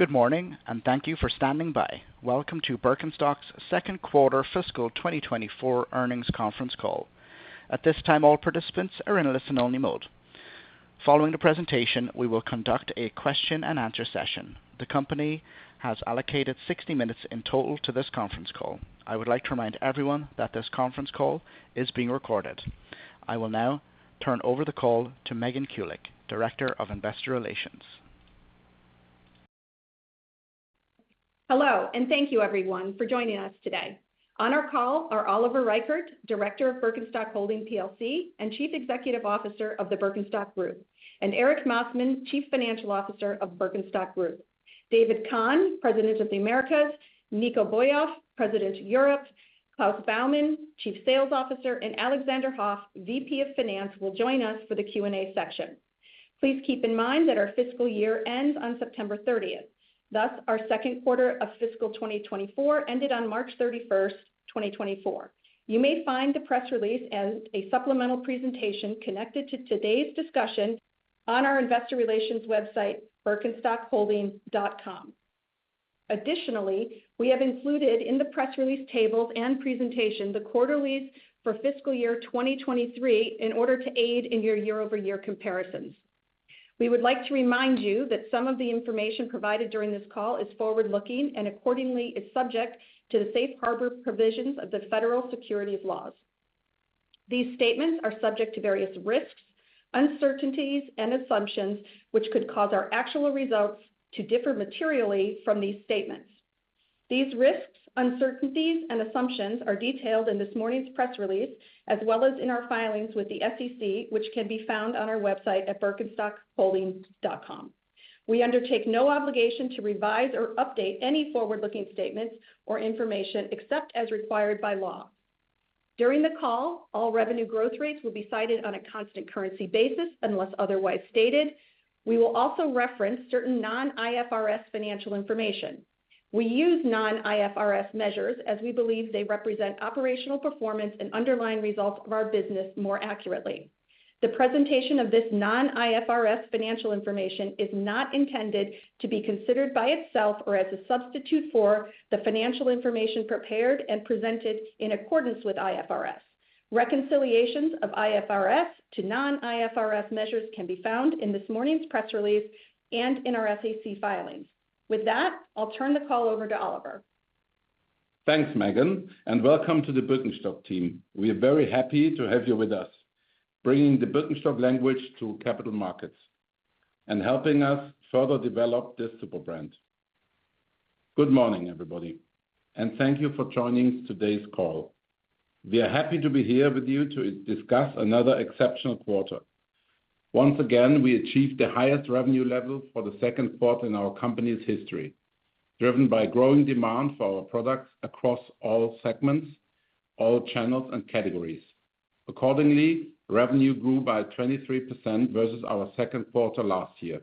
Good morning, and thank you for standing by. Welcome to Birkenstock's Q2 fiscal 2024 Earnings Conference Call. At this time, all participants are in listen-only mode. Following the presentation, we will conduct a question-and-answer session. The company has allocated 60 minutes in total to this conference call. I would like to remind everyone that this conference call is being recorded. I will now turn over the call to Megan Kulick, Director of Investor Relations. Hello, and thank you everyone for joining us today. On our call are Oliver Reichert, Director of Birkenstock Holding plc, and Chief Executive Officer of the Birkenstock Group, and Erik Massmann, Chief Financial Officer of Birkenstock Group. David Kahan, President of the Americas, Nico Bouyakhf, President, Europe, Klaus Baumann, Chief Sales Officer, and Alexander Hoff, VP of Finance, will join us for the Q&A section. Please keep in mind that our fiscal year ends on September thirtieth. Thus, our Q2 of fiscal 2024 ended on March 31, 2024. You may find the press release and a supplemental presentation connected to today's discussion on our investor relations website, birkenstock-holding.com. Additionally, we have included in the press release tables and presentation, the quarterlies for fiscal year 2023 in order to aid in your year-over-year comparisons. We would like to remind you that some of the information provided during this call is forward-looking and accordingly, is subject to the safe harbor provisions of the Federal Securities laws. These statements are subject to various risks, uncertainties, and assumptions, which could cause our actual results to differ materially from these statements. These risks, uncertainties, and assumptions are detailed in this morning's press release, as well as in our filings with the SEC, which can be found on our website at birkenstock-holding.com. We undertake no obligation to revise or update any forward-looking statements or information except as required by law. During the call, all revenue growth rates will be cited on a constant currency basis, unless otherwise stated. We will also reference certain non-IFRS financial information. We use non-IFRS measures as we believe they represent operational performance and underlying results of our business more accurately. The presentation of this non-IFRS financial information is not intended to be considered by itself or as a substitute for the financial information prepared and presented in accordance with IFRS. Reconciliations of IFRS to non-IFRS measures can be found in this morning's press release and in our SEC filings. With that, I'll turn the call over to Oliver. Thanks, Megan, and welcome to the Birkenstock team. We are very happy to have you with us, bringing the Birkenstock language to capital markets and helping us further develop this super brand. Good morning, everybody, and thank you for joining today's call. We are happy to be here with you to discuss another exceptional quarter. Once again, we achieved the highest revenue level for the Q2 in our company's history, driven by growing demand for our products across all segments, all channels and categories. Accordingly, revenue grew by 23% versus our Q2 last year.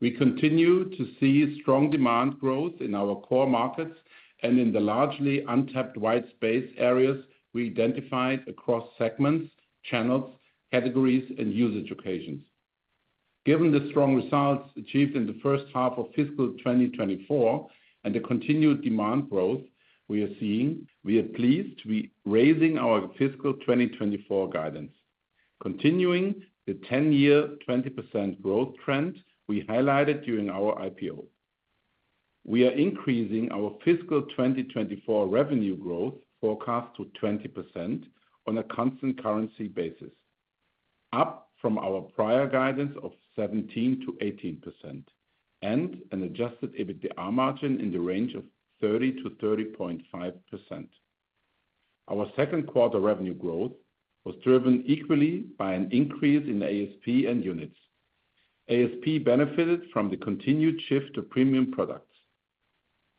We continue to see strong demand growth in our core markets and in the largely untapped white space areas we identified across segments, channels, categories, and usage occasions. Given the strong results achieved in the first half of fiscal 2024 and the continued demand growth we are seeing, we are pleased to be raising our fiscal 2024 guidance, continuing the 10-year, 20% growth trend we highlighted during our IPO. We are increasing our fiscal 2024 revenue growth forecast to 20% on a constant currency basis, up from our prior guidance of 17%-18%, and an adjusted EBITDA margin in the range of 30%-30.5%. Our Q2 revenue growth was driven equally by an increase in ASP and units. ASP benefited from the continued shift to premium products,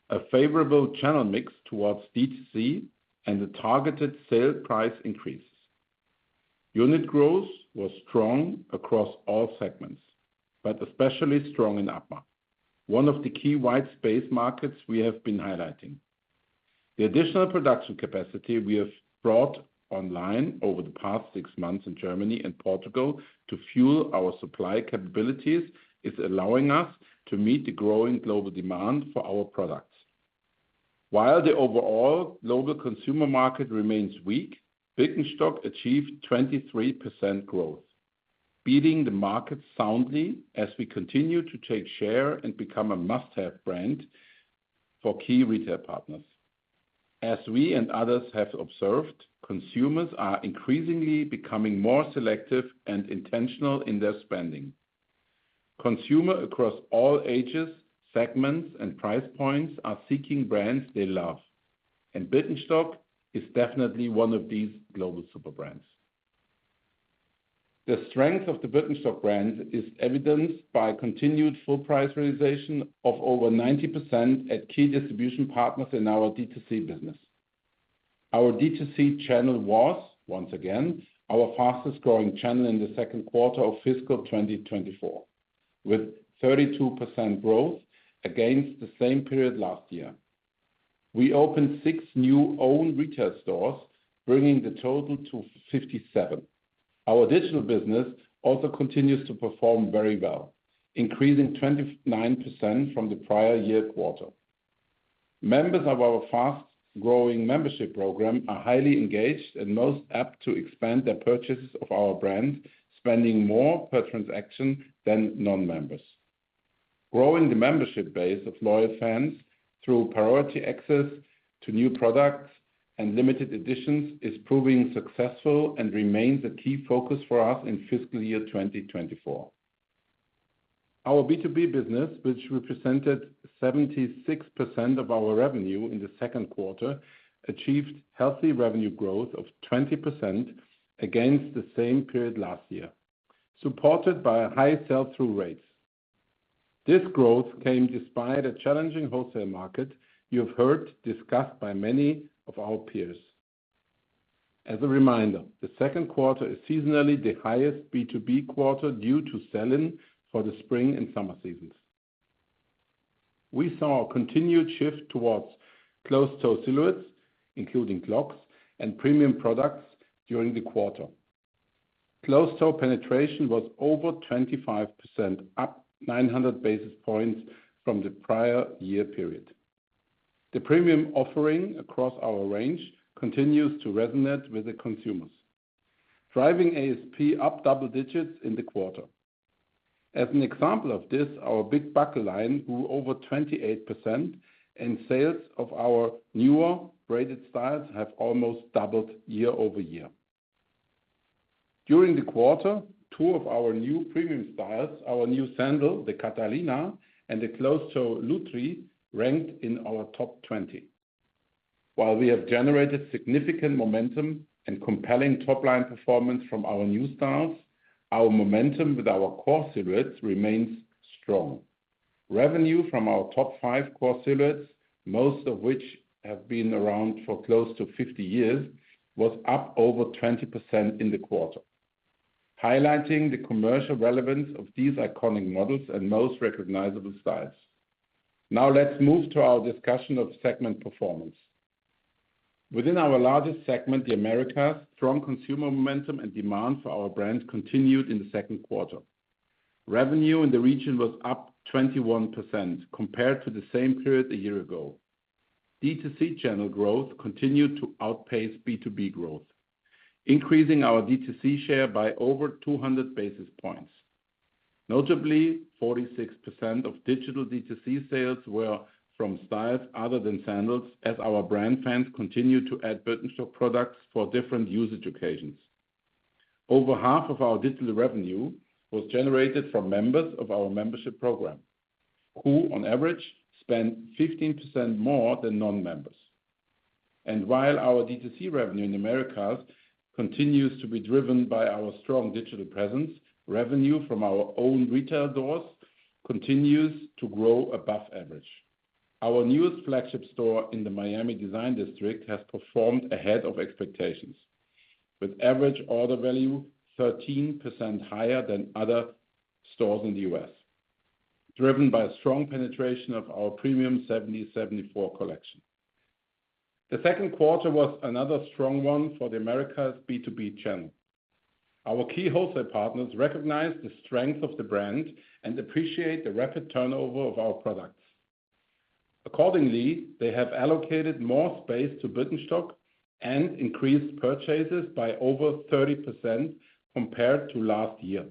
a favorable channel mix towards DTC, and the targeted sale price increase. Unit growth was strong across all segments, but especially strong in APMA, one of the key white space markets we have been highlighting. The additional production capacity we have brought online over the past six months in Germany and Portugal to fuel our supply capabilities is allowing us to meet the growing global demand for our products. While the overall global consumer market remains weak, Birkenstock achieved 23% growth, beating the market soundly as we continue to take share and become a must-have brand for key retail partners. As we and others have observed, consumers are increasingly becoming more selective and intentional in their spending. Consumers across all ages, segments, and price points are seeking brands they love, and Birkenstock is definitely one of these global super brands. The strength of the Birkenstock brand is evidenced by continued full price realization of over 90% at key distribution partners in our DTC business. Our DTC channel was once again our fastest-growing channel in the Q2 of fiscal 2024, with 32% growth against the same period last year... We opened 6 new own retail stores, bringing the total to 57. Our digital business also continues to perform very well, increasing 29% from the prior year quarter. Members of our fast-growing membership program are highly engaged and most apt to expand their purchases of our brands, spending more per transaction than non-members. Growing the membership base of loyal fans through priority access to new products and limited editions is proving successful and remains a key focus for us in fiscal year 2024. Our B2B business, which represented 76% of our revenue in the Q2, achieved healthy revenue growth of 20% against the same period last year, supported by high sell-through rates. This growth came despite a challenging wholesale market you have heard discussed by many of our peers. As a reminder, the Q2 is seasonally the highest B2B quarter due to sell-in for the spring and summer seasons. We saw a continued shift towards closed-toe silhouettes, including clogs and premium products during the quarter. Closed-toe penetration was over 25%, up 900 basis points from the prior year period. The premium offering across our range continues to resonate with the consumers, driving ASP up double digits in the quarter. As an example of this, our Big Buckle line grew over 28%, and sales of our newer braided styles have almost doubled year-over-year. During the quarter, two of our new premium styles, our new sandal, the Catalina, and the closed-toe Lutry, ranked in our top 20. While we have generated significant momentum and compelling top-line performance from our new styles, our momentum with our core silhouettes remains strong. Revenue from our top five core silhouettes, most of which have been around for close to 50 years, was up over 20% in the quarter, highlighting the commercial relevance of these iconic models and most recognizable styles. Now, let's move to our discussion of segment performance. Within our largest segment, the Americas, strong consumer momentum and demand for our brand continued in the Q2. Revenue in the region was up 21% compared to the same period a year ago. DTC channel growth continued to outpace B2B growth, increasing our DTC share by over 200 basis points. Notably, 46% of digital DTC sales were from styles other than sandals, as our brand fans continued to add Birkenstock products for different usage occasions. Over half of our digital revenue was generated from members of our membership program, who, on average, spend 15% more than non-members. While our DTC revenue in the Americas continues to be driven by our strong digital presence, revenue from our own retail doors continues to grow above average. Our newest flagship store in the Miami Design District has performed ahead of expectations, with average order value 13% higher than other stores in the U.S., driven by a strong penetration of our premium 1774 collection. The Q2 was another strong one for the Americas B2B channel. Our key wholesale partners recognize the strength of the brand and appreciate the rapid turnover of our products. Accordingly, they have allocated more space to Birkenstock and increased purchases by over 30% compared to last year,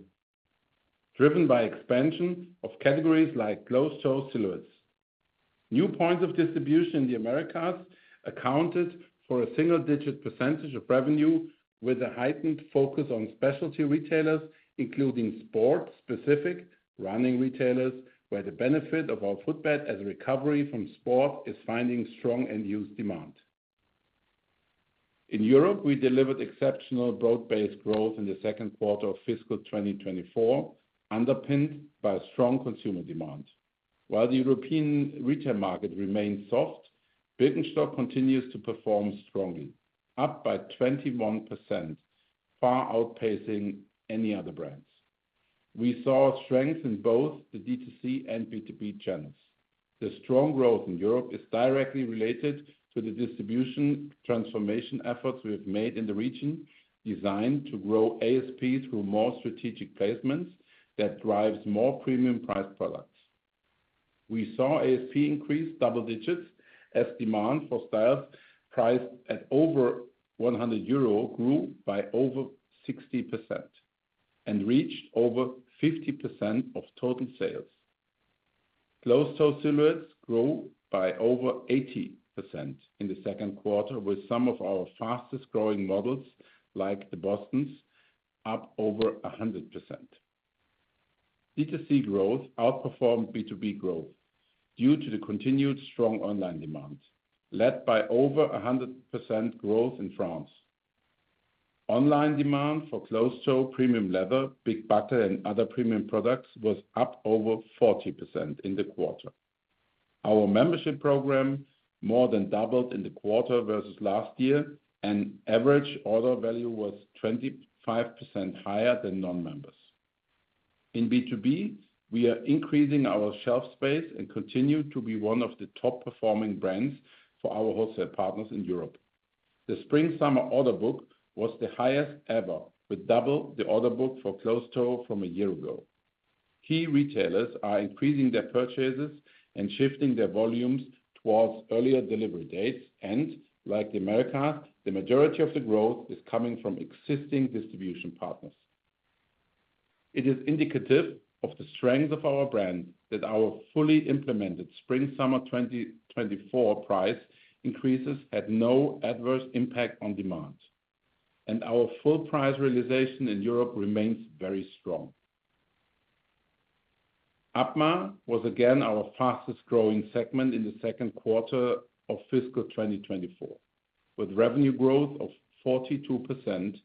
driven by expansion of categories like closed-toe silhouettes. New points of distribution in the Americas accounted for a single-digit percentage of revenue, with a heightened focus on specialty retailers, including sport-specific running retailers, where the benefit of our footbed as a recovery from sport is finding strong end-use demand. In Europe, we delivered exceptional broad-based growth in the Q2 of fiscal 2024, underpinned by strong consumer demand. While the European retail market remains soft, Birkenstock continues to perform strongly, up by 21%, far outpacing any other brands. We saw strength in both the DTC and B2B channels. The strong growth in Europe is directly related to the distribution transformation efforts we have made in the region, designed to grow ASP through more strategic placements that drives more premium priced products. We saw ASP increase double digits as demand for styles priced at over 100 euro grew by over 60% and reached over 50% of total sales. Closed-toe silhouettes grew by over 80% in the Q2, with some of our fastest-growing models, like the Bostons, up over 100%. DTC growth outperformed B2B growth due to the continued strong online demand, led by over 100% growth in France. Online demand for closed-toe premium leather, Big Buckle, and other premium products was up over 40% in the quarter. Our membership program more than doubled in the quarter versus last year, and average order value was 25% higher than non-members.... In B2B, we are increasing our shelf space and continue to be one of the top performing brands for our wholesale partners in Europe. The spring-summer order book was the highest ever, with double the order book for closed-toe from a year ago. Key retailers are increasing their purchases and shifting their volumes towards earlier delivery dates, and, like the Americas, the majority of the growth is coming from existing distribution partners. It is indicative of the strength of our brand that our fully implemented spring-summer 2024 price increases had no adverse impact on demand, and our full price realization in Europe remains very strong. APMA was again our fastest growing segment in the Q2 of fiscal 2024, with revenue growth of 42%,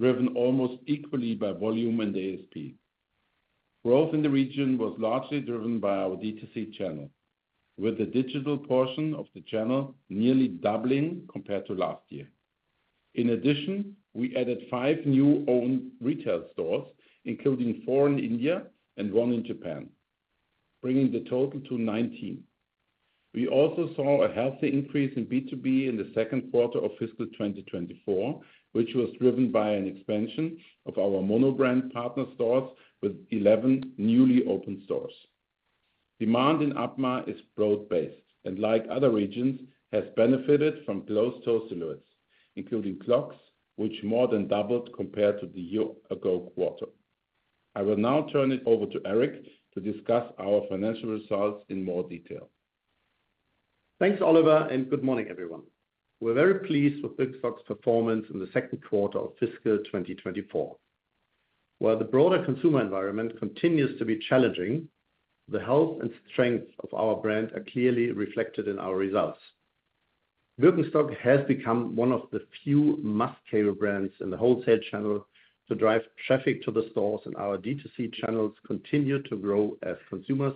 driven almost equally by volume and ASP. Growth in the region was largely driven by our DTC channel, with the digital portion of the channel nearly doubling compared to last year. In addition, we added 5 new own retail stores, including 4 in India and 1 in Japan, bringing the total to 19. We also saw a healthy increase in B2B in the Q2 of fiscal 2024, which was driven by an expansion of our monobrand partner stores with 11 newly opened stores. Demand in APMA is broad-based, and like other regions, has benefited from closed-toe silhouettes, including clogs, which more than doubled compared to the year-ago quarter. I will now turn it over to Erik to discuss our financial results in more detail. Thanks, Oliver, and good morning, everyone. We're very pleased with Birkenstock's performance in the Q2 of fiscal 2024. While the broader consumer environment continues to be challenging, the health and strength of our brand are clearly reflected in our results. Birkenstock has become one of the few must-carry brands in the wholesale channel to drive traffic to the stores, and our D2C channels continue to grow as consumers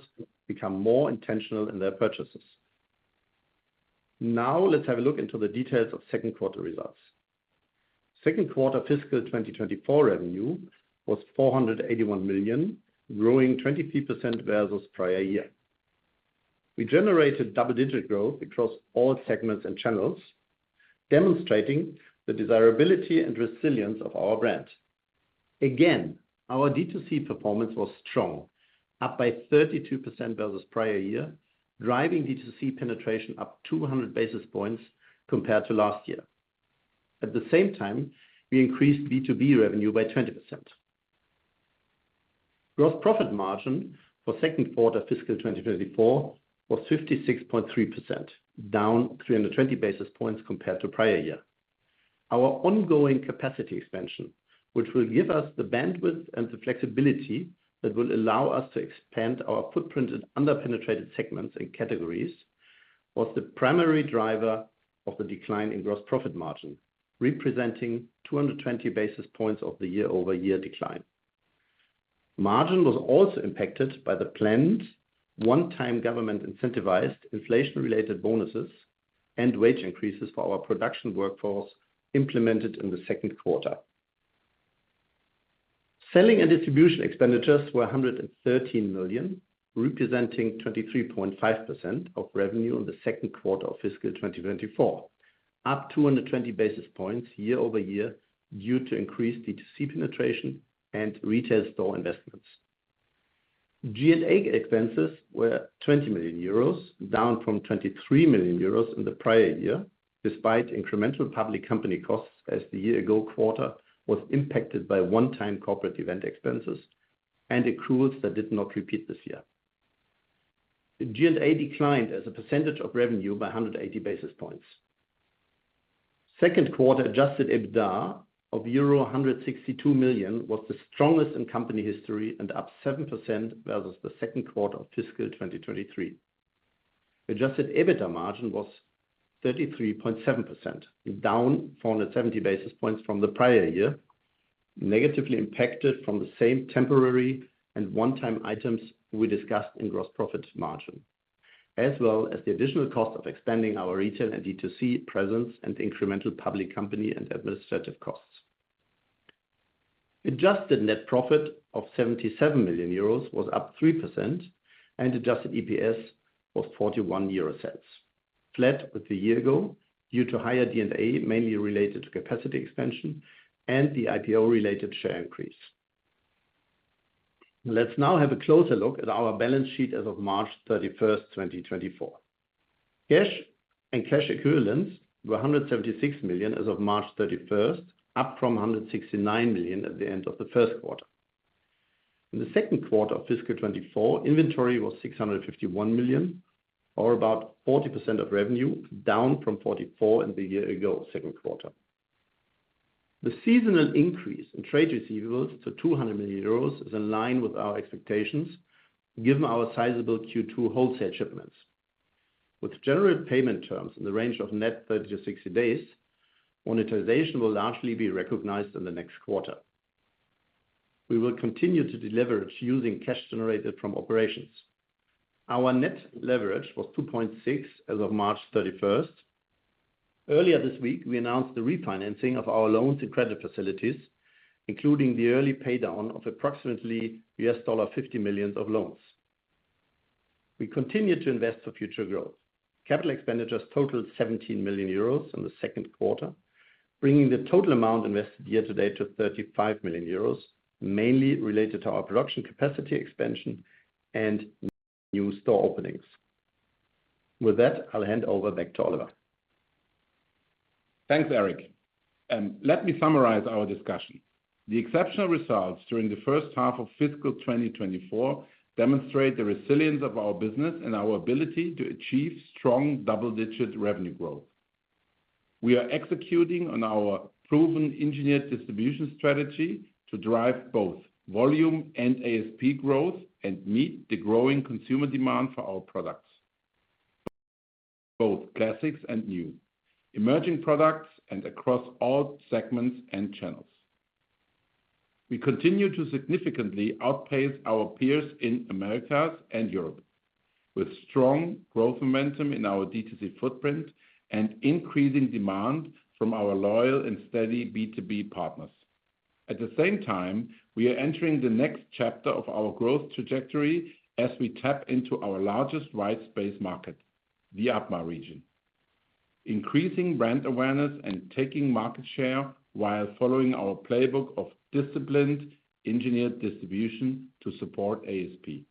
become more intentional in their purchases. Now, let's have a look into the details of Q2 results. Q2 fiscal 2024 revenue was 481 million, growing 23% versus prior year. We generated double-digit growth across all segments and channels, demonstrating the desirability and resilience of our brand. Again, our D2C performance was strong, up by 32% versus prior year, driving D2C penetration up 200 basis points compared to last year. At the same time, we increased B2B revenue by 20%. Gross profit margin for Q2 fiscal 2024 was 56.3%, down 320 basis points compared to prior year. Our ongoing capacity expansion, which will give us the bandwidth and the flexibility that will allow us to expand our footprint in under-penetrated segments and categories, was the primary driver of the decline in gross profit margin, representing 220 basis points of the year-over-year decline. Margin was also impacted by the planned one-time government incentivized inflation-related bonuses and wage increases for our production workforce, implemented in the Q2. Selling and distribution expenditures were 113 million, representing 23.5% of revenue in the Q2 of fiscal 2024, up 220 basis points year-over-year, due to increased DTC penetration and retail store investments. SG&A expenses were 20 million euros, down from 23 million euros in the prior year, despite incremental public company costs, as the year ago quarter was impacted by one-time corporate event expenses and accruals that did not repeat this year. The SG&A declined as a percentage of revenue by 180 basis points. Q2 adjusted EBITDA of euro 162 million was the strongest in company history and up 7% versus the Q2 of fiscal 2023. Adjusted EBITDA margin was 33.7%, down 470 basis points from the prior year, negatively impacted from the same temporary and one-time items we discussed in gross profit margin, as well as the additional cost of expanding our retail and D2C presence and incremental public company and administrative costs. Adjusted net profit of 77 million euros was up 3%, and adjusted EPS was 0.41 EUR, flat with the year ago, due to higher SG&A, mainly related to capacity expansion and the IPO-related share increase. Let's now have a closer look at our balance sheet as of March 31, 2024. Cash and cash equivalents were 176 million as of March 31, up from 169 million at the end of the Q1. In the Q2 of fiscal 2024, inventory was 651 million, or about 40% of revenue, down from 44% in the year-ago Q2. The seasonal increase in trade receivables to 200 million euros is in line with our expectations, given our sizable Q2 wholesale shipments. With general payment terms in the range of net 30-60 days, monetization will largely be recognized in the next quarter. We will continue to deleverage using cash generated from operations. Our net leverage was 2.6 as of March 31....Earlier this week, we announced the refinancing of our loans and credit facilities, including the early pay down of approximately $50 million of loans. We continue to invest for future growth. Capital expenditures totaled 17 million euros in the Q2, bringing the total amount invested year-to-date to 35 million euros, mainly related to our production capacity expansion and new store openings. With that, I'll hand over back to Oliver. Thanks, Erik, and let me summarize our discussion. The exceptional results during the first half of fiscal 2024 demonstrate the resilience of our business and our ability to achieve strong double-digit revenue growth. We are executing on our proven engineered distribution strategy to drive both volume and ASP growth and meet the growing consumer demand for our products, both classics and new, emerging products, and across all segments and channels. We continue to significantly outpace our peers in Americas and Europe, with strong growth momentum in our DTC footprint and increasing demand from our loyal and steady B2B partners. At the same time, we are entering the next chapter of our growth trajectory as we tap into our largest white space market, the APMA region, increasing brand awareness and taking market share while following our playbook of disciplined, engineered distribution to support ASP.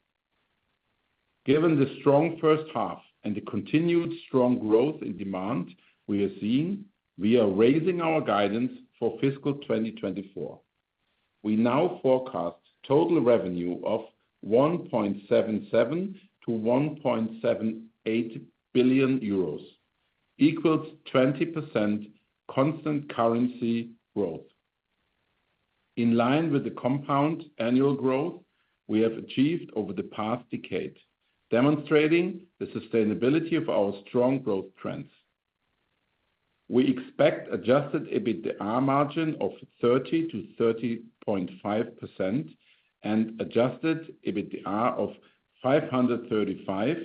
Given the strong first half and the continued strong growth in demand we are seeing, we are raising our guidance for fiscal 2024. We now forecast total revenue of 1.77 billion-1.78 billion euros, equals 20% constant currency growth. In line with the compound annual growth we have achieved over the past decade, demonstrating the sustainability of our strong growth trends. We expect adjusted EBITDA margin of 30%-30.5% and adjusted EBITDA of 535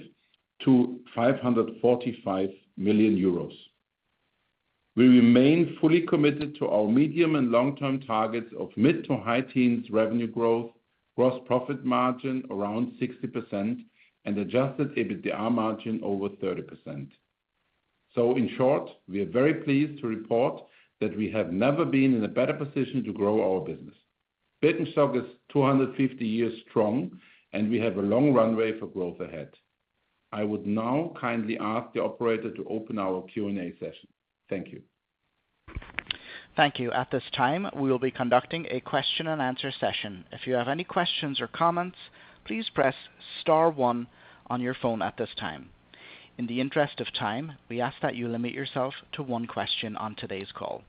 million-545 million euros. We remain fully committed to our medium- and long-term targets of mid- to high-teens revenue growth, gross profit margin around 60%, and adjusted EBITDA margin over 30%. So in short, we are very pleased to report that we have never been in a better position to grow our business. Birkenstock is 250 years strong, and we have a long runway for growth ahead. I would now kindly ask the operator to open our Q&A session. Thank you. Thank you. At this time, we will be conducting a question and answer session. If you have any questions or comments, please press star one on your phone at this time. In the interest of time, we ask that you limit yourself to one question on today's call.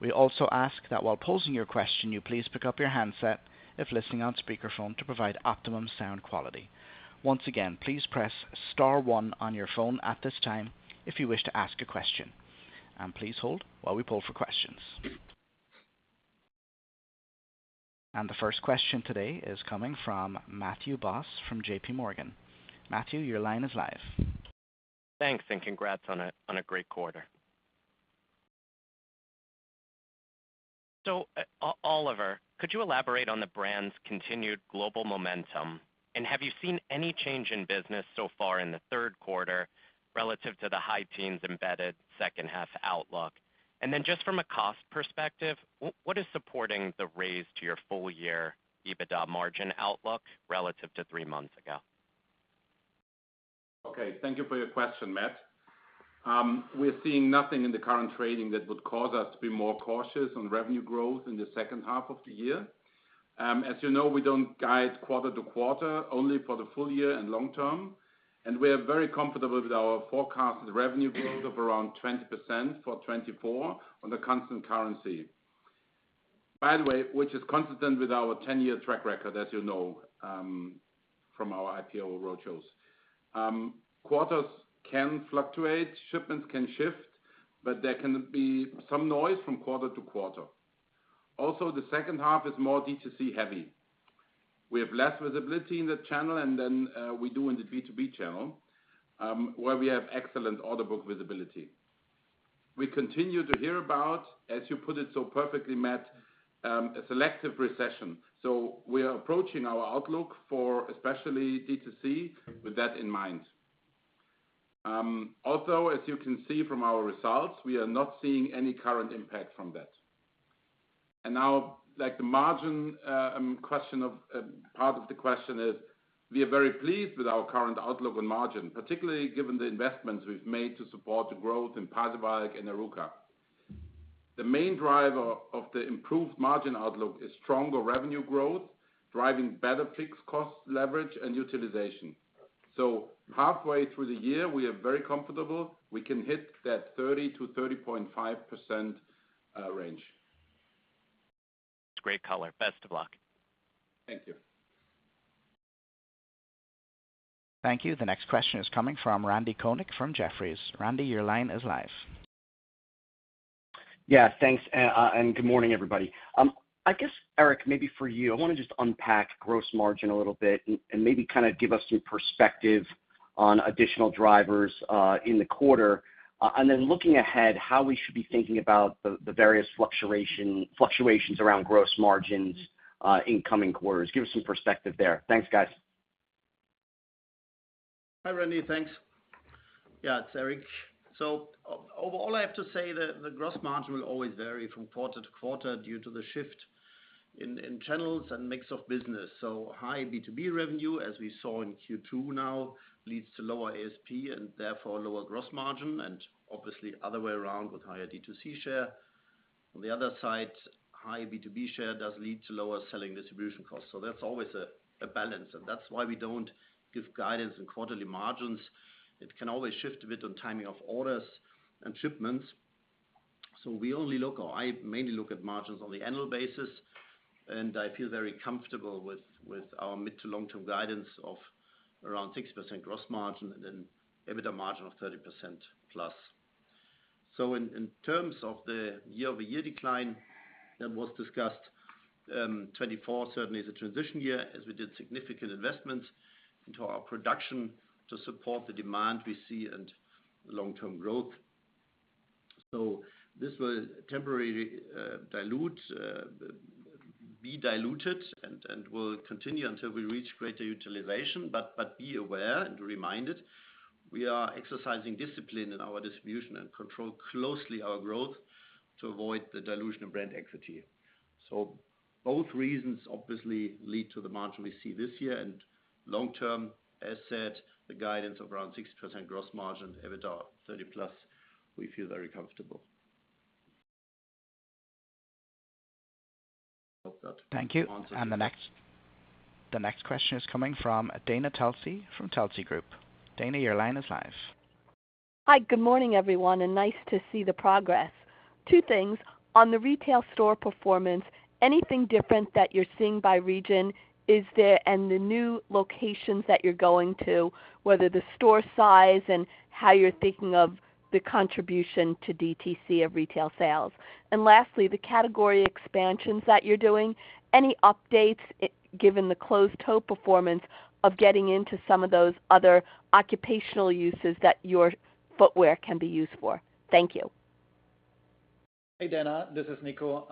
We also ask that while posing your question, you please pick up your handset if listening on speaker phone, to provide optimum sound quality. Once again, please press star one on your phone at this time if you wish to ask a question, and please hold while we poll for questions. The first question today is coming from Matthew Boss, from J.P. Morgan. Matthew, your line is live. Thanks, and congrats on a great quarter. So, Oliver, could you elaborate on the brand's continued global momentum, and have you seen any change in business so far in the Q3 relative to the high teens embedded second half outlook? And then just from a cost perspective, what is supporting the raise to your full year EBITDA margin outlook relative to three months ago? Okay, thank you for your question, Matt. We're seeing nothing in the current trading that would cause us to be more cautious on revenue growth in the second half of the year. As you know, we don't guide quarter to quarter, only for the full year and long term, and we are very comfortable with our forecasted revenue growth of around 20% for 2024 on the constant currency. By the way, which is consistent with our ten-year track record, as you know, from our IPO roadshows. Quarters can fluctuate, shipments can shift, but there can be some noise from quarter to quarter. Also, the second half is more DTC heavy. We have less visibility in that channel than we do in the B2B channel, where we have excellent order book visibility. We continue to hear about, as you put it so perfectly, Matt, a selective recession. So we are approaching our outlook for especially DTC with that in mind. Also, as you can see from our results, we are not seeing any current impact from that. And now, like, the margin question of, part of the question is, we are very pleased with our current outlook on margin, particularly given the investments we've made to support the growth in Pasewalk and Arouca. The main driver of the improved margin outlook is stronger revenue growth, driving better fixed cost leverage and utilization. So halfway through the year, we are very comfortable we can hit that 30%-30.5% range. Great color. Best of luck. Thank you. Thank you. The next question is coming from Randy Konik, from Jefferies. Randy, your line is live. Yeah, thanks, and good morning, everybody. I guess, Erik, maybe for you, I wanna just unpack gross margin a little bit and maybe kind of give us some perspective on additional drivers in the quarter. And then looking ahead, how we should be thinking about the various fluctuations around gross margins in coming quarters. Give us some perspective there. Thanks, guys. Hi, Randy. Thanks. Yeah, it's Erik. So overall, I have to say that the gross margin will always vary from quarter to quarter due to the shift in channels and mix of business. So high B2B revenue, as we saw in Q2 now, leads to lower ASP and therefore lower gross margin, and obviously other way around with higher DTC share. On the other side, high B2B share does lead to lower selling distribution costs. So that's always a balance, and that's why we don't give guidance in quarterly margins. It can always shift a bit on timing of orders and shipments. So we only look, or I mainly look at margins on the annual basis, and I feel very comfortable with our mid- to long-term guidance of around 60% gross margin and then EBITDA margin of 30%+. So in terms of the year-over-year decline that was discussed, 2024 certainly is a transition year as we did significant investments into our production to support the demand we see and long-term growth. So this will temporarily be diluted, and will continue until we reach greater utilization. But be aware and reminded, we are exercising discipline in our distribution and control closely our growth to avoid the dilution of brand equity. So both reasons obviously lead to the margin we see this year and long term, as said, the guidance of around 60% gross margin, EBITDA 30+, we feel very comfortable. Thank you. Hope that answers it. The next question is coming from Dana Telsey from Telsey Group. Dana, your line is live. Hi. Good morning, everyone, and nice to see the progress. Two things: on the retail store performance, anything different that you're seeing by region, is there— and the new locations that you're going to, whether the store size and how you're thinking of the contribution to DTC of retail sales? And lastly, the category expansions that you're doing, any updates, given the closed-toe performance of getting into some of those other occupational uses that your footwear can be used for? Thank you. Hey, Dana, this is Nico.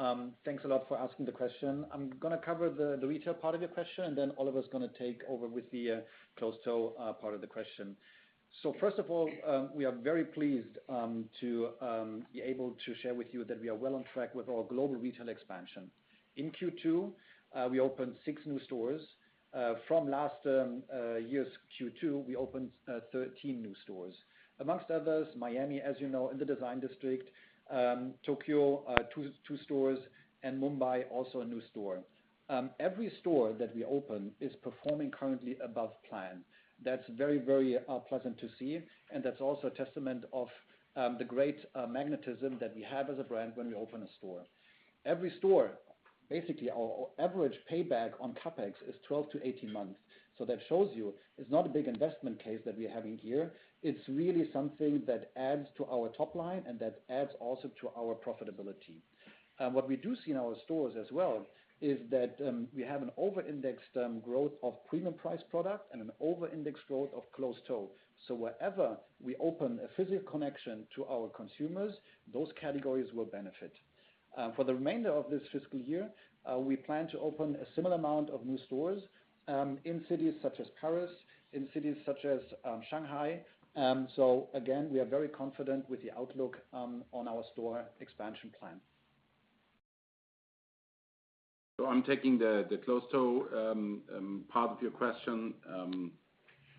Thanks a lot for asking the question. I'm gonna cover the retail part of your question, and then Oliver is gonna take over with the closed toe part of the question. So first of all, we are very pleased to be able to share with you that we are well on track with our global retail expansion. In Q2, we opened 6 new stores. From last year's Q2, we opened 13 new stores. Among others, Miami, as you know, in the Design District, Tokyo, 2 stores, and Mumbai, also a new store. Every store that we open is performing currently above plan. That's very, very, pleasant to see, and that's also a testament of, the great, magnetism that we have as a brand when we open a store. Every store. Basically, our, our average payback on CapEx is 12-18 months. So that shows you it's not a big investment case that we're having here. It's really something that adds to our top line and that adds also to our profitability. What we do see in our stores as well, is that, we have an over-indexed, growth of premium price product and an over-indexed growth of closed toe. So wherever we open a physical connection to our consumers, those categories will benefit. For the remainder of this fiscal year, we plan to open a similar amount of new stores, in cities such as Paris, in cities such as, Shanghai. So again, we are very confident with the outlook on our store expansion plan. So I'm taking the closed toe part of your question,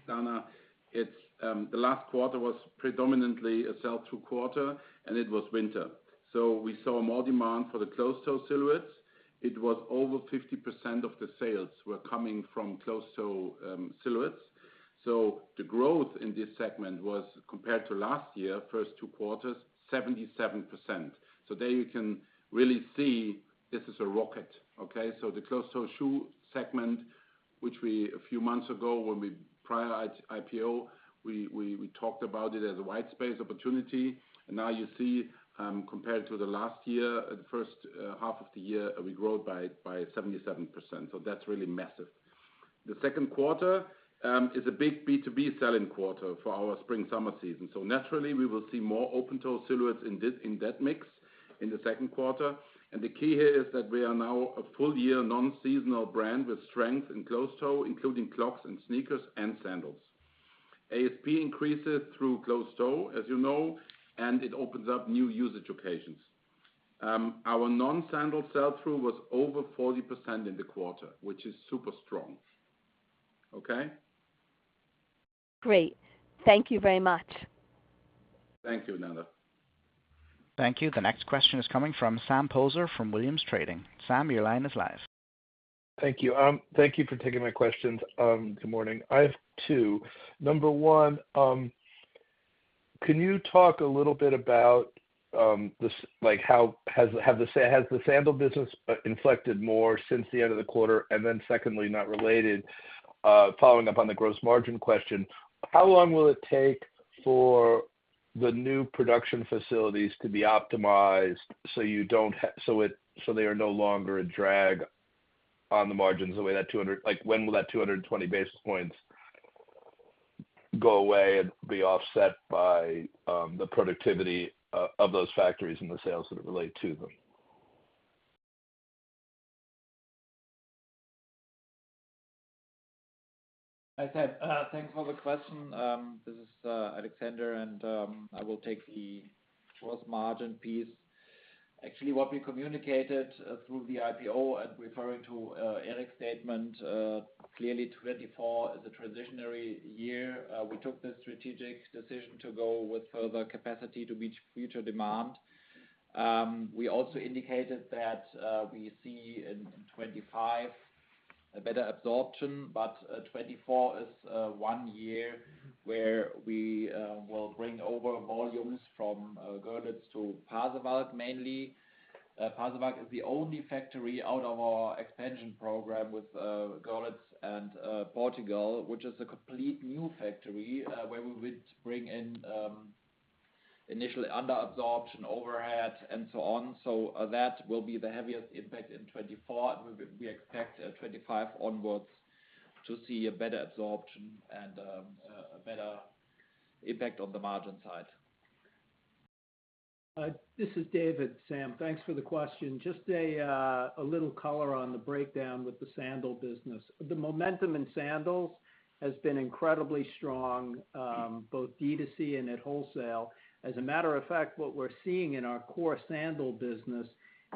Dana. It's the last quarter was predominantly a sell through quarter, and it was winter. So we saw more demand for the closed toe silhouettes. It was over 50% of the sales were coming from closed toe silhouettes. So the growth in this segment was, compared to last year, first two quarters, 77%. So there you can really see this is a rocket, okay? So the closed toe shoe segment, which we, a few months ago, when we pre-IPO, we talked about it as a white space opportunity. And now you see, compared to the last year, at the first half of the year, we grew by 77%, so that's really massive. The Q2 is a big B2B selling quarter for our spring/summer season. So naturally, we will see more open-toe silhouettes in this, in that mix in the Q2. And the key here is that we are now a full year non-seasonal brand with strength in closed-toe, including clogs and sneakers and sandals. ASP increases through closed-toe, as you know, and it opens up new usage occasions. Our non-sandal sell-through was over 40% in the quarter, which is super strong. Okay? Great. Thank you very much. Thank you, Dana. Thank you. The next question is coming from Sam Poser from Williams Trading. Sam, your line is live. Thank you. Thank you for taking my questions. Good morning. I have two. Number one, can you talk a little bit about, like, how has the sandal business inflected more since the end of the quarter? And then secondly, not related, following up on the gross margin question, how long will it take for the new production facilities to be optimized, so they are no longer a drag on the margins the way that 220 basis points—like, when will that 220 basis points go away and be offset by the productivity of those factories and the sales that relate to them? Hi, Sam. Thanks for the question. This is Alexander, and I will take the gross margin piece. Actually, what we communicated through the IPO and referring to Erik's statement, clearly 2024 is a transitional year. We took the strategic decision to go with further capacity to reach future demand. We also indicated that we see in 2025 a better absorption, but 2024 is one year where we will bring over volumes from Görlitz to Pasewalk, mainly. Pasewalk is the only factory out of our expansion program with Görlitz and Portugal, which is a complete new factory, where we would bring in initially under absorption, overhead, and so on. So, that will be the heaviest impact in 2024. We, we expect 2025 onwards to see a better absorption and a better impact on the margin side. This is David, Sam. Thanks for the question. Just a little color on the breakdown with the sandal business. The momentum in sandals has been incredibly strong, both D2C and at wholesale. As a matter of fact, what we're seeing in our core sandal business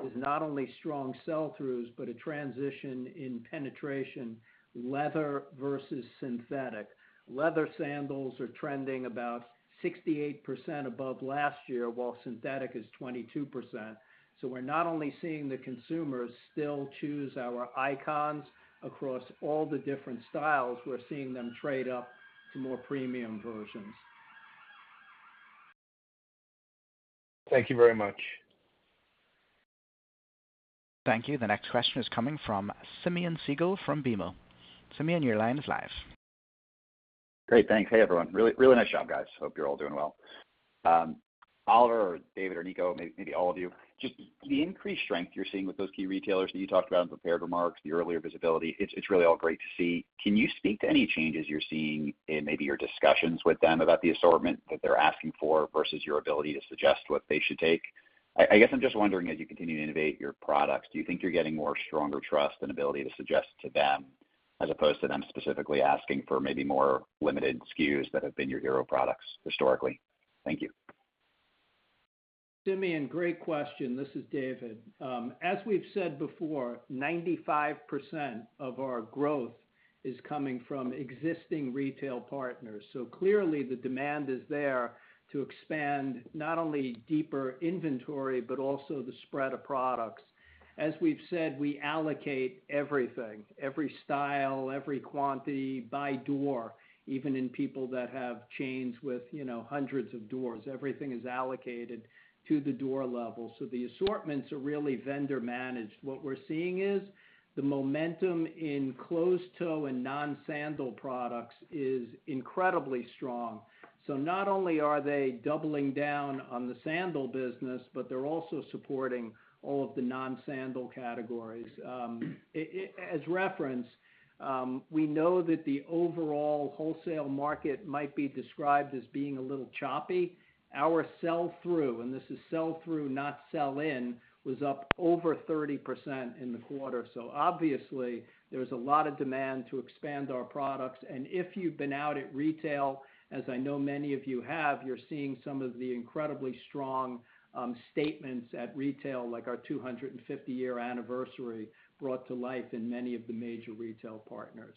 is not only strong sell-throughs, but a transition in penetration, leather versus synthetic. Leather sandals are trending about 68% above last year, while synthetic is 22%. So we're not only seeing the consumers still choose our icons across all the different styles, we're seeing them trade up to more premium versions. Thank you very much. Thank you. The next question is coming from Simeon Siegel from BMO. Simeon, your line is live. Great, thanks. Hey, everyone. Really, really nice job, guys. Hope you're all doing well. Oliver or David or Nico, maybe all of you, just the increased strength you're seeing with those key retailers that you talked about in prepared remarks, the earlier visibility, it's really all great to see. Can you speak to any changes you're seeing in maybe your discussions with them about the assortment that they're asking for, versus your ability to suggest what they should take? I guess I'm just wondering, as you continue to innovate your products, do you think you're getting more stronger trust and ability to suggest to them, as opposed to them specifically asking for maybe more limited SKUs that have been your hero products historically? Thank you. Simeon, great question. This is David. As we've said before, 95% of our growth is coming from existing retail partners. So clearly, the demand is there to expand not only deeper inventory, but also the spread of products. As we've said, we allocate everything, every style, every quantity by door, even in people that have chains with, you know, hundreds of doors, everything is allocated to the door level. So the assortments are really vendor-managed. What we're seeing is, the momentum in closed-toe and non-sandal products is incredibly strong. So not only are they doubling down on the sandal business, but they're also supporting all of the non-sandal categories. As referenced, we know that the overall wholesale market might be described as being a little choppy. Our sell-through, and this is sell-through, not sell in, was up over 30% in the quarter. Obviously, there's a lot of demand to expand our products. If you've been out at retail, as I know many of you have, you're seeing some of the incredibly strong statements at retail, like our 250-year anniversary, brought to life in many of the major retail partners.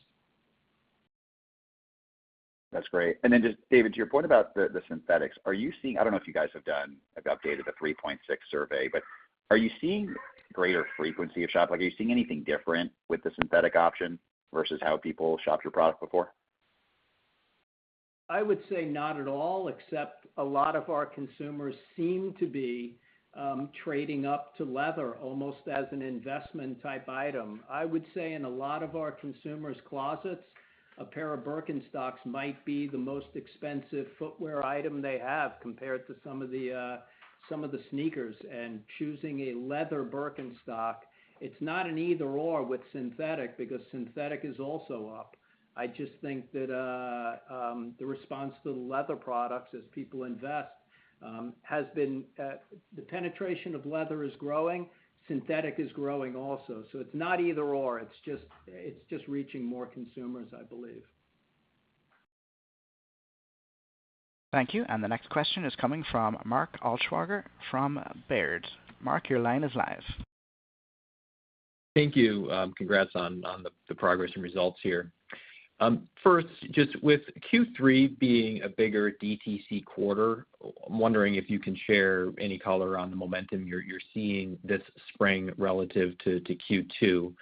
That's great. And then just, David, to your point about the, the synthetics, are you seeing, I don't know if you guys have done, like, updated a 3.6 survey, but are you seeing greater frequency of shop? Like, are you seeing anything different with the synthetic option versus how people shopped your product before? I would say not at all, except a lot of our consumers seem to be trading up to leather, almost as an investment-type item. I would say in a lot of our consumers' closets, a pair of Birkenstocks might be the most expensive footwear item they have, compared to some of the, some of the sneakers. And choosing a leather Birkenstock, it's not an either/or with synthetic, because synthetic is also up. I just think that the response to the leather products as people invest has been the penetration of leather is growing. Synthetic is growing also. So it's not either/or. It's just, it's just reaching more consumers, I believe. Thank you. The next question is coming from Mark Altschwager from Baird. Mark, your line is live. Thank you. Congrats on the progress and results here. First, just with Q3 being a bigger DTC quarter, wondering if you can share any color on the momentum you're seeing this spring relative to Q2?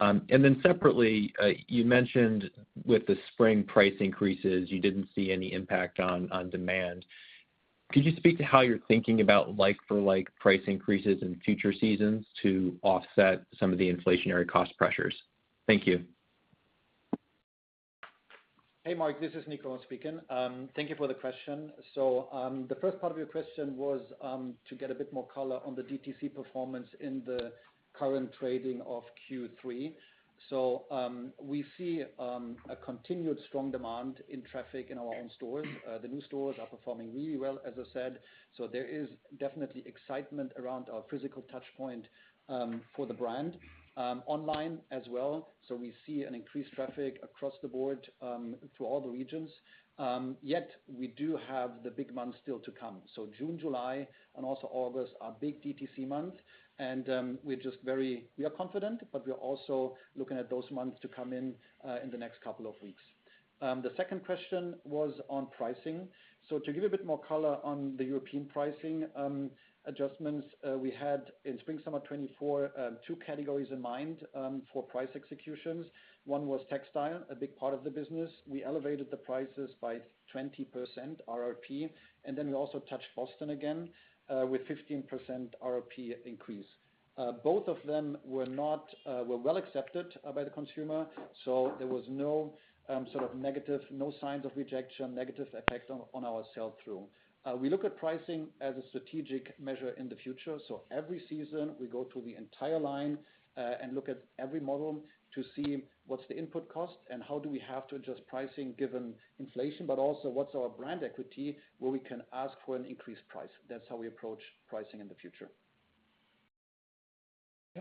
And then separately, you mentioned with the spring price increases, you didn't see any impact on demand. Could you speak to how you're thinking about like-for-like price increases in future seasons to offset some of the inflationary cost pressures? Thank you. Hey, Mark, this is Nico speaking. Thank you for the question. So, the first part of your question was, to get a bit more color on the DTC performance in the current trading of Q3. So, we see, a continued strong demand in traffic in our own stores. The new stores are performing really well, as I said, so there is definitely excitement around our physical touch point, for the brand. Online as well. So we see an increased traffic across the board, through all the regions. Yet we do have the big months still to come. So June, July, and also August, are big DTC months. And, we're just very confident, but we are also looking at those months to come in, in the next couple of weeks. The second question was on pricing. So to give you a bit more color on the European pricing adjustments we had in spring, summer 2024, two categories in mind for price executions. One was textile, a big part of the business. We elevated the prices by 20% RRP, and then we also touched Boston again with 15% RRP increase. Both of them were not, were well accepted by the consumer, so there was no sort of negative—no signs of rejection, negative effect on our sell-through. We look at pricing as a strategic measure in the future. So every season, we go through the entire line and look at every model to see what's the input cost and how do we have to adjust pricing given inflation, but also what's our brand equity, where we can ask for an increased price. That's how we approach pricing in the future.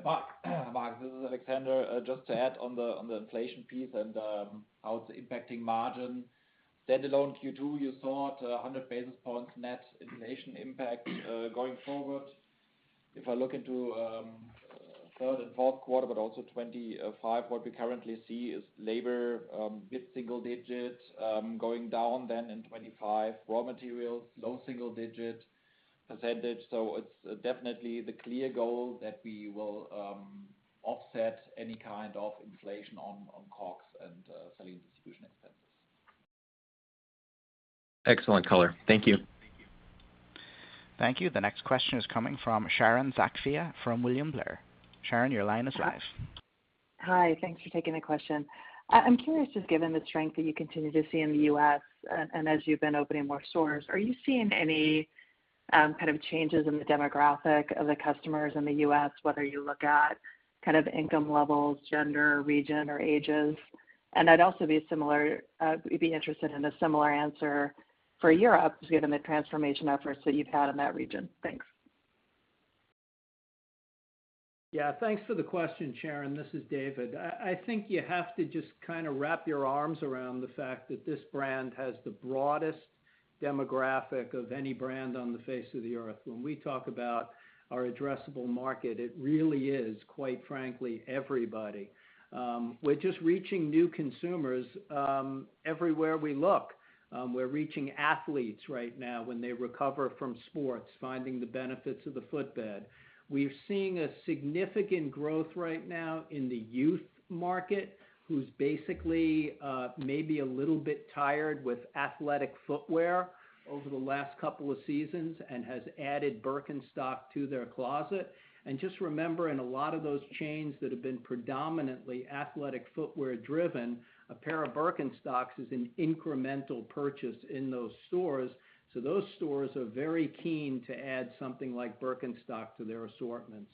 Mark, Mark, this is Alexander. Just to add on the, on the inflation piece and, how it's impacting margin. Standalone Q2, you saw it, 100 basis points net inflation impact, going forward. If I look into, Q3 and Q4, but also 2025, what we currently see is labor, mid-single digit, going down then in 2025. Raw materials, low single digit percentage. So it's, definitely the clear goal that we will, offset any kind of inflation on, on COGS and, selling distribution expenses. Excellent color. Thank you. Thank you. The next question is coming from Sharon Zackfia from William Blair. Sharon, your line is live. Hi, thanks for taking the question. I'm curious, just given the strength that you continue to see in the U.S., and as you've been opening more stores, are you seeing any kind of changes in the demographic of the customers in the U.S., whether you look at kind of income levels, gender, region, or ages? I'd also be interested in a similar answer for Europe, given the transformation efforts that you've had in that region. Thanks. Yeah, thanks for the question, Sharon. This is David. I think you have to just kind of wrap your arms around the fact that this brand has the broadest demographic of any brand on the face of the earth. When we talk about our addressable market, it really is, quite frankly, everybody. We're just reaching new consumers everywhere we look. We're reaching athletes right now when they recover from sports, finding the benefits of the footbed. We're seeing a significant growth right now in the youth market, who's basically maybe a little bit tired with athletic footwear over the last couple of seasons and has added Birkenstock to their closet. And just remember, in a lot of those chains that have been predominantly athletic footwear driven, a pair of Birkenstocks is an incremental purchase in those stores. So those stores are very keen to add something like Birkenstock to their assortments.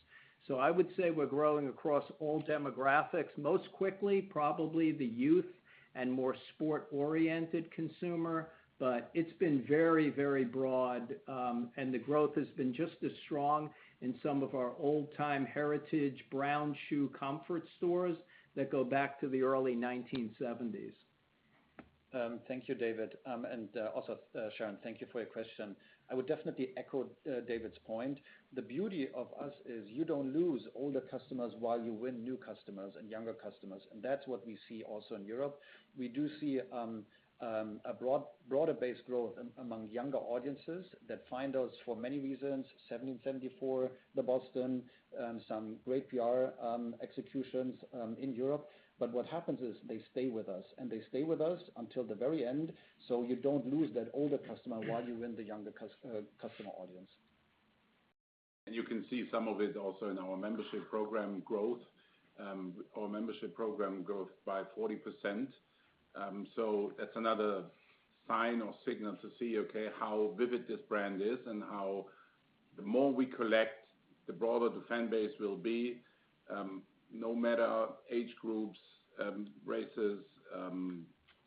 So I would say we're growing across all demographics. Most quickly, probably the youth and more sport-oriented consumer, but it's been very, very broad, and the growth has been just as strong in some of our old-time heritage, brown shoe comfort stores that go back to the early 1970s. Thank you, David. And Sharon, thank you for your question. I would definitely echo David's point. The beauty of us is you don't lose older customers while you win new customers and younger customers, and that's what we see also in Europe. We do see a broader base growth among younger audiences that find us for many reasons, 1774, the Boston, some great PR executions in Europe. But what happens is they stay with us, and they stay with us until the very end, so you don't lose that older customer while you win the younger customer audience. You can see some of it also in our membership program growth. Our membership program growth by 40%. So that's another sign or signal to see, okay, how vivid this brand is and how the more we collect, the broader the fan base will be, no matter age groups, races,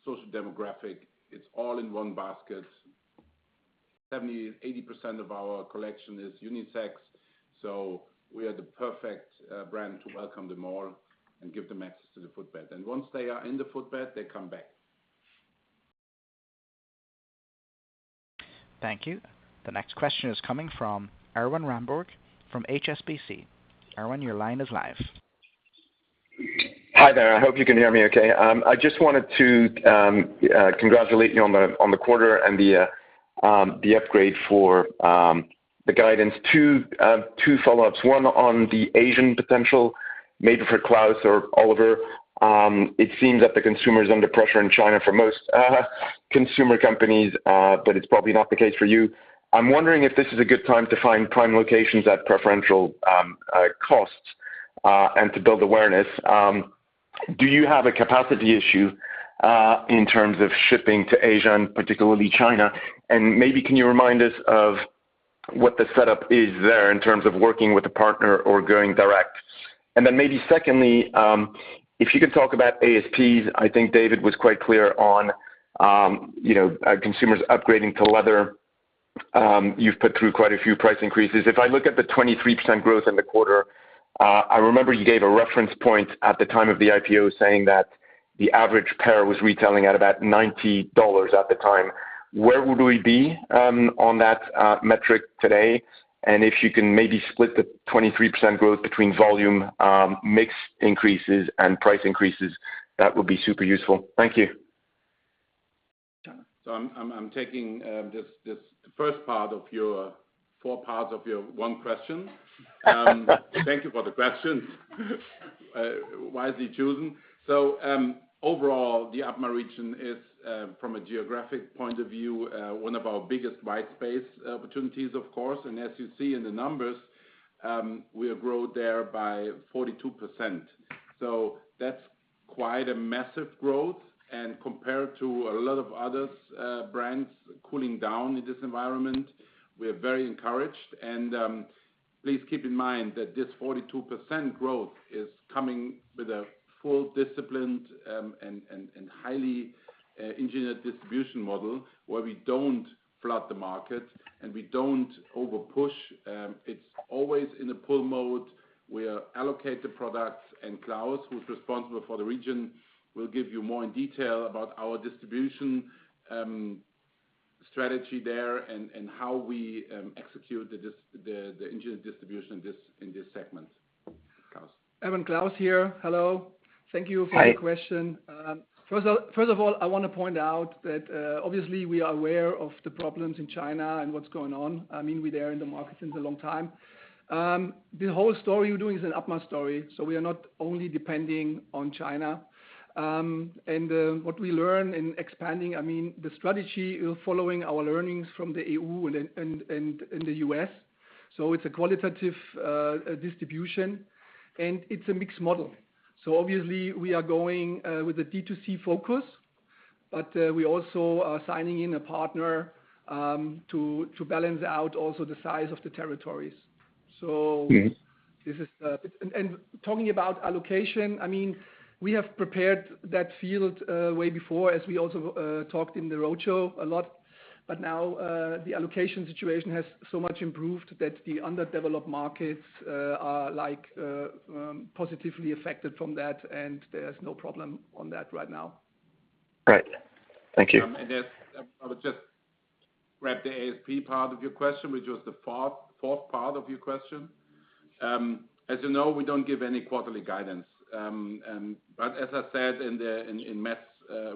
social demographic, it's all in one basket. 70%-80% of our collection is unisex, so we are the perfect brand to welcome them all and give them access to the footbed. And once they are in the footbed, they come back. Thank you. The next question is coming from Erwan Rambourg, from HSBC. Erwin, your line is live. Hi there. I hope you can hear me okay. I just wanted to congratulate you on the quarter and the upgrade for the guidance. Two follow-ups. One on the Asian potential, maybe for Klaus or Oliver. It seems that the consumer is under pressure in China for most consumer companies, but it's probably not the case for you. I'm wondering if this is a good time to find prime locations at preferential costs, and to build awareness. Do you have a capacity issue in terms of shipping to Asia and particularly China? And maybe can you remind us of what the setup is there in terms of working with a partner or going direct? And then maybe secondly, if you could talk about ASPs. I think David was quite clear on, you know, consumers upgrading to leather. You've put through quite a few price increases. If I look at the 23% growth in the quarter, I remember you gave a reference point at the time of the IPO, saying that the average pair was retailing at about $90 at the time. Where would we be, on that, metric today? And if you can maybe split the 23% growth between volume, mix increases and price increases, that would be super useful. Thank you. So I'm taking just the first part of your four parts of your one question. Thank you for the question. Wisely chosen. So overall, the APMA region is from a geographic point of view one of our biggest white space opportunities, of course. And as you see in the numbers, we have grown there by 42%. So that's quite a massive growth. And compared to a lot of others brands cooling down in this environment, we are very encouraged. And please keep in mind that this 42% growth is coming with a full disciplined and highly engineered distribution model, where we don't flood the market and we don't over-push. It's always in a pull mode. We allocate the products, and Klaus, who's responsible for the region, will give you more in detail about our distribution strategy there and how we execute the distribution in this segment. Klaus? Erwan, Klaus here. Hello. Thank you. Hi For your question. First of all, I wanna point out that obviously we are aware of the problems in China and what's going on. I mean, we're there in the market since a long time. The whole story you're doing is an APMA story, so we are not only depending on China. And what we learn in expanding, I mean, the strategy is following our learnings from the EU and the US. So it's a qualitative distribution, and it's a mixed model. So obviously we are going with a D2C focus, but we also are signing in a partner to balance out also the size of the territories. So- Okay This is, And talking about allocation, I mean, we have prepared that field way before, as we also talked in the roadshow a lot. But now, the allocation situation has so much improved that the underdeveloped markets are like, positively affected from that, and there's no problem on that right now. Great. Thank you. Yes, I would just grab the ASP part of your question, which was the fourth part of your question. As you know, we don't give any quarterly guidance. But as I said in Matt's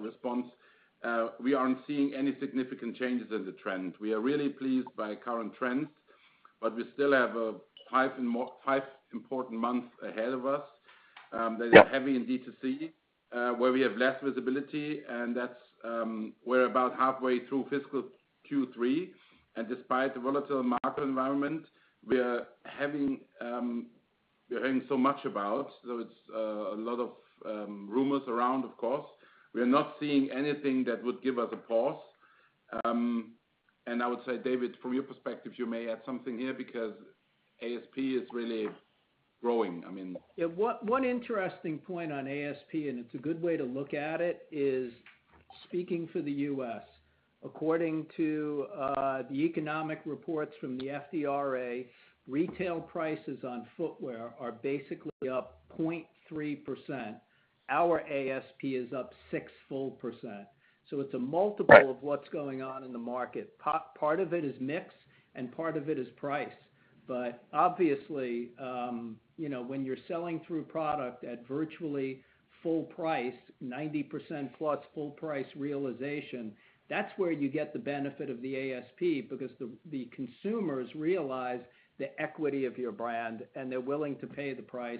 response, we aren't seeing any significant changes in the trend. We are really pleased by current trends, but we still have five important months ahead of us. Yeah. That are heavy in DTC, where we have less visibility, and that's, we're about halfway through fiscal Q3. And despite the volatile market environment, we're hearing so much about, so it's a lot of rumors around, of course. We are not seeing anything that would give us a pause. And I would say, David, from your perspective, you may add something here because ASP is really growing. I mean- Yeah. One interesting point on ASP, and it's a good way to look at it, is speaking for the U.S., according to the economic reports from the FDRA, retail prices on footwear are basically up 0.3%. Our ASP is up 6%. So it's a multiple. Right. Of what's going on in the market. Part of it is mix, and part of it is price. But obviously, you know, when you're selling through product at virtually full price, 90% plus full price realization, that's where you get the benefit of the ASP, because the consumers realize the equity of your brand, and they're willing to pay the price.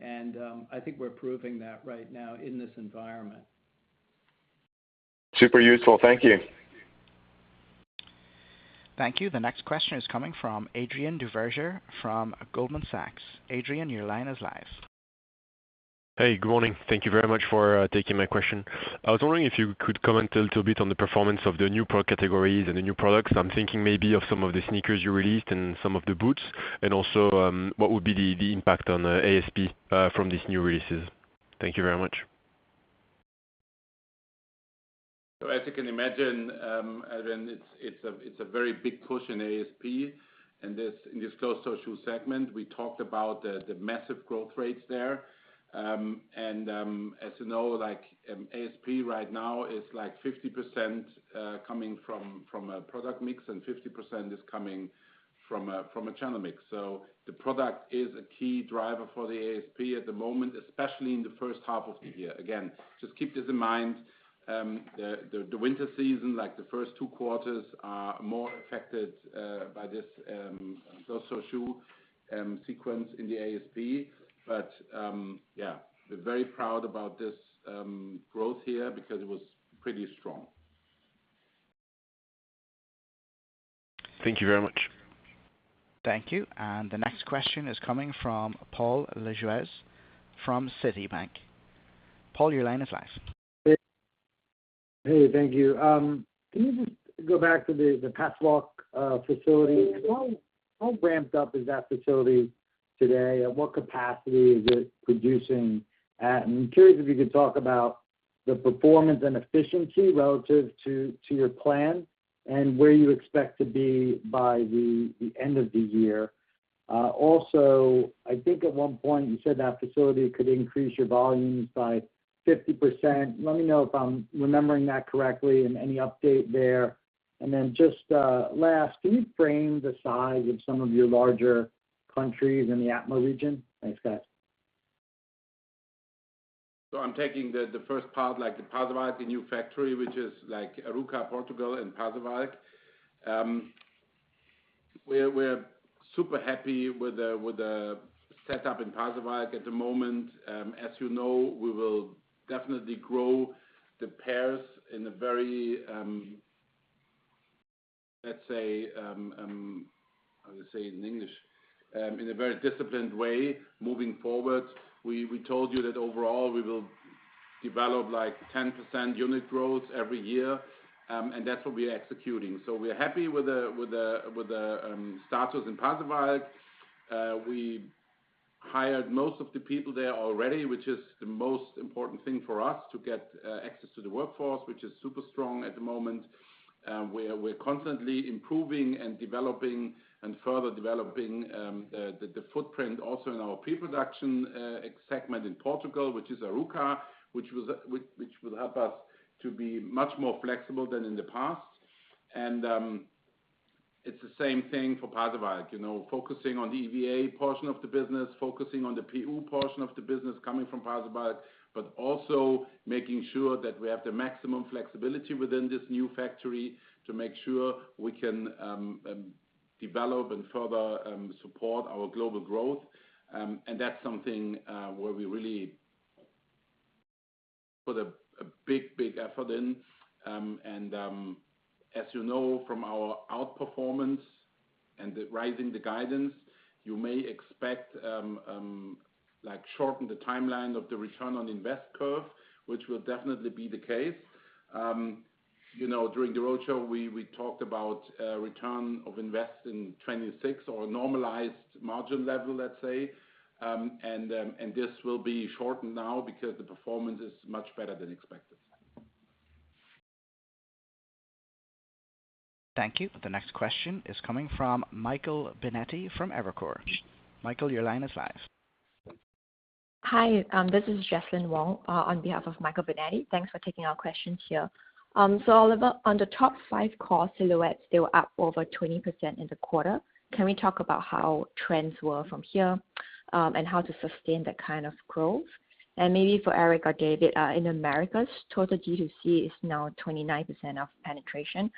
And, I think we're proving that right now in this environment. Super useful. Thank you. Thank you. The next question is coming from Adrien Duverger, from Goldman Sachs. Adrien, your line is live. Hey, good morning. Thank you very much for taking my question. I was wondering if you could comment a little bit on the performance of the new product categories and the new products. I'm thinking maybe of some of the sneakers you released and some of the boots, and also, what would be the impact on ASP from these new releases? Thank you very much. So as you can imagine, Adrien, it's a very big push in ASP. And this, in this closed-toe shoes segment, we talked about the massive growth rates there. And as you know, like, ASP right now is like 50%, coming from a product mix, and 50% is coming from a channel mix. So the product is a key driver for the ASP at the moment, especially in the first half of the year. Again, just keep this in mind, the winter season, like the first two quarters, are more affected by this closed-toe shoe sequence in the ASP. But yeah, we're very proud about this growth here because it was pretty strong. Thank you very much. Thank you. The next question is coming from Paul Lejuez from Citi. Paul, your line is live. Hey, thank you. Can you just go back to the Pasewalk facility? How ramped up is that facility today, and what capacity is it producing at? And I'm curious if you could talk about the performance and efficiency relative to your plan, and where you expect to be by the end of the year. Also, I think at one point you said that facility could increase your volumes by 50%. Let me know if I'm remembering that correctly and any update there. And then just last, can you frame the size of some of your larger countries in the APMA region? Thanks, guys. So I'm taking the first part, like the Pasewalk, the new factory, which is like Arouca, Portugal in Pasewalk. We're super happy with the setup in Pasewalk at the moment. As you know, we will definitely grow the pairs in a very disciplined way moving forward. We told you that overall we will develop, like, 10% unit growth every year, and that's what we're executing. So we're happy with the status in Pasewalk. We hired most of the people there already, which is the most important thing for us to get access to the workforce, which is super strong at the moment. We're constantly improving and developing, and further developing the footprint also in our pre-production segment in Portugal, which is Arouca, which will help us to be much more flexible than in the past. And it's the same thing for Pasewalk. You know, focusing on the EVA portion of the business, focusing on the PU portion of the business coming from Pasewalk, but also making sure that we have the maximum flexibility within this new factory to make sure we can develop and further support our global growth. And that's something where we really put a big effort in. And as you know from our outperformance and the rising guidance, you may expect like shorten the timeline of the return on investment curve, which will definitely be the case. You know, during the roadshow, we talked about return on investment in 2026 or normalized margin level, let's say. This will be shortened now because the performance is much better than expected. Thank you. The next question is coming from Michael Binetti from Evercore. Michael, your line is live. Hi, this is Jesalyn Wong, on behalf of Michael Binetti. Thanks for taking our questions here. So Oliver, on the top five core silhouettes, they were up over 20% in the quarter. Can we talk about how trends were from here, and how to sustain that kind of growth? And maybe for Erik or David, in Americas, total DTC is now 29% of penetration.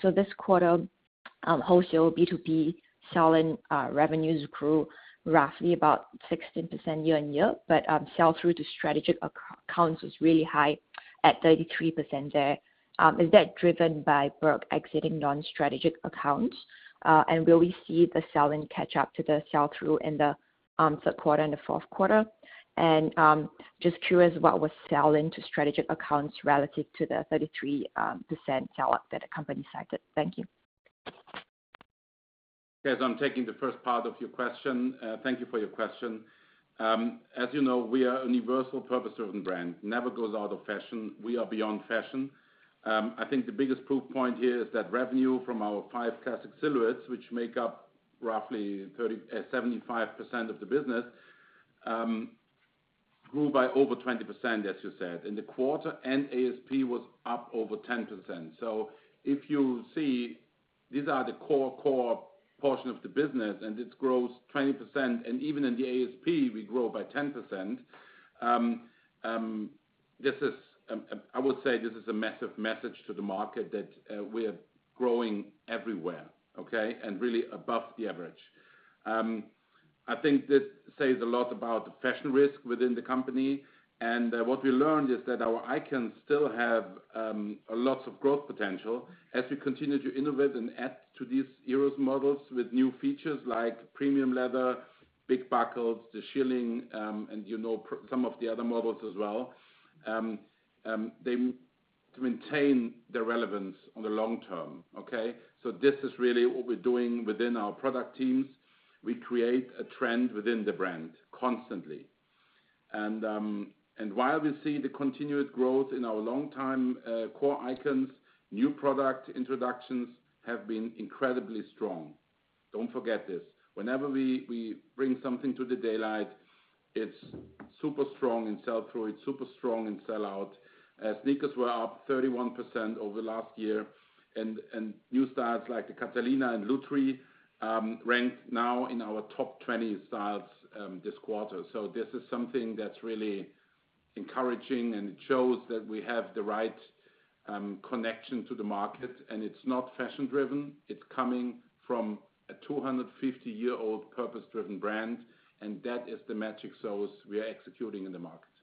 So this quarter, wholesale B2B sell-in revenues grew roughly about 16% year-on-year, but sell-through to strategic accounts was really high at 33% there. Is that driven by work exiting non-strategic accounts? And will we see the sell-in catch up to the sell-through in the Q3 and the Q4? Just curious what was sell-in to strategic accounts relative to the 33% sell-out that the company cited. Thank you. Yes, I'm taking the first part of your question. Thank you for your question. As you know, we are a universal purpose-driven brand, never goes out of fashion. We are beyond fashion. I think the biggest proof point here is that revenue from our 5 classic silhouettes, which make up roughly 30, 75% of the business, grew by over 20%, as you said, in the quarter, and ASP was up over 10%. So if you see, these are the core, core portion of the business, and it grows 20%, and even in the ASP, we grow by 10%, this is, I would say this is a massive message to the market that, we are growing everywhere, okay? And really above the average. I think this says a lot about the fashion risk within the company. And what we learned is that our icons still have lots of growth potential as we continue to innovate and add to these hero models with new features like premium leather, Big Buckle, the Shearling, and you know, some of the other models as well. They maintain their relevance on the long term, okay? So this is really what we're doing within our product teams. We create a trend within the brand constantly. And while we see the continued growth in our longtime core icons, new product introductions have been incredibly strong. Don't forget this. Whenever we bring something to the daylight. It's super strong in sell-through, it's super strong in sell-out. Sneakers were up 31% over last year, and new styles like the Catalina and Lutry rank now in our top 20 styles this quarter. So this is something that's really encouraging, and it shows that we have the right connection to the market. And it's not fashion driven, it's coming from a 250-year-old purpose-driven brand, and that is the magic sauce we are executing in the market. Jesalyn,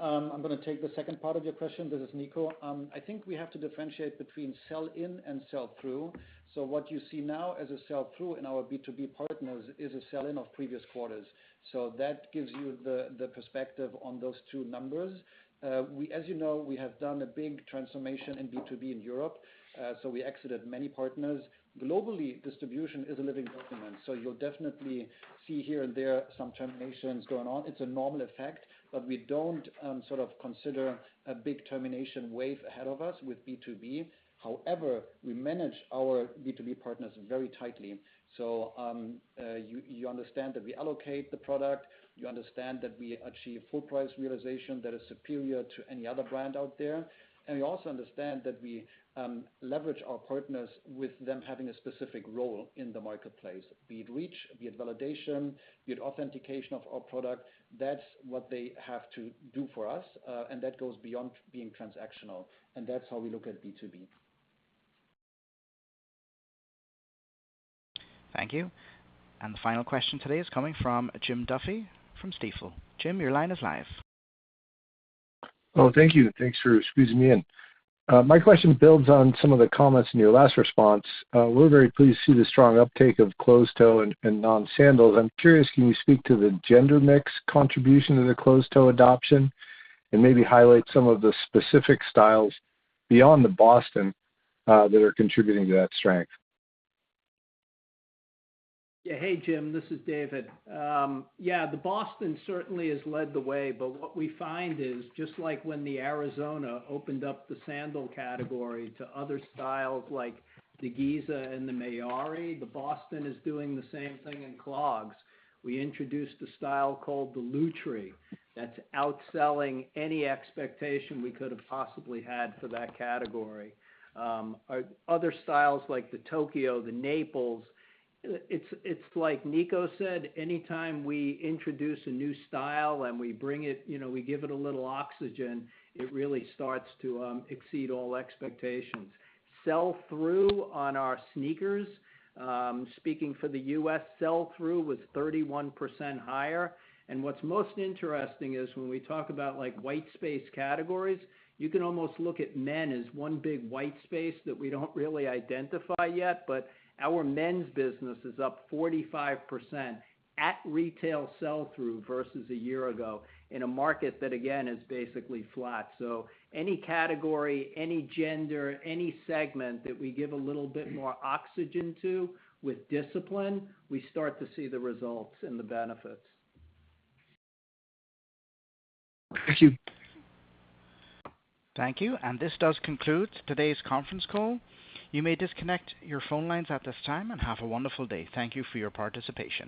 I'm gonna take the second part of your question. This is Nico. I think we have to differentiate between sell-in and sell-through. So what you see now as a sell-through in our B2B partners is a sell-in of previous quarters. So that gives you the perspective on those two numbers. We, as you know, have done a big transformation in B2B in Europe, so we exited many partners. Globally, distribution is a living document, so you'll definitely see here and there some terminations going on. It's a normal effect, but we don't sort of consider a big termination wave ahead of us with B2B. However, we manage our B2B partners very tightly. So, you understand that we allocate the product, you understand that we achieve full price realization that is superior to any other brand out there. You also understand that we leverage our partners with them having a specific role in the marketplace, be it reach, be it validation, be it authentication of our product. That's what they have to do for us, and that goes beyond being transactional, and that's how we look at B2B. Thank you. The final question today is coming from Jim Duffy from Stifel. Jim, your line is live. Oh, thank you. Thanks for squeezing me in. My question builds on some of the comments in your last response. We're very pleased to see the strong uptake of closed toe and, and non-sandals. I'm curious, can you speak to the gender mix contribution to the closed toe adoption, and maybe highlight some of the specific styles beyond the Boston that are contributing to that strength? Yeah. Hey, Jim, this is David. Yeah, the Boston certainly has led the way, but what we find is, just like when the Arizona opened up the sandal category to other styles like the Gizeh and the Mayari, the Boston is doing the same thing in clogs. We introduced a style called the Lutry, that's outselling any expectation we could have possibly had for that category. Our other styles, like the Tokyo, the Naples, it's like Nico said, anytime we introduce a new style and we bring it, you know, we give it a little oxygen, it really starts to exceed all expectations. Sell-through on our sneakers, speaking for the U.S., sell-through was 31% higher. What's most interesting is, when we talk about like, white space categories, you can almost look at men as one big white space that we don't really identify yet. But our men's business is up 45% at retail sell-through versus a year ago, in a market that, again, is basically flat. So any category, any gender, any segment that we give a little bit more oxygen to, with discipline, we start to see the results and the benefits. Thank you. Thank you, and this does conclude today's conference call. You may disconnect your phone lines at this time, and have a wonderful day. Thank you for your participation.